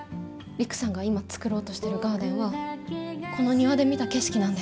陸さんが今作ろうとしているガーデンはこの庭で見た景色なんです。